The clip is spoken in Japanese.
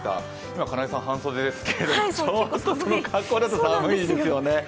今、金井さん半袖ですけれども、その格好だと寒いですよね。